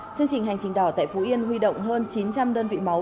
chương trình hành trình đỏ tại phú yên huy động hơn chín trăm linh đơn vị máu